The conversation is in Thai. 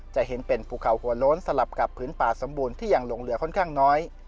จะเห็นเป็นภูเขาหัวโล้นสลับกับพื้นป่าสมบูรณ์ที่ยังหลงเหลือค่อนข้างน้อย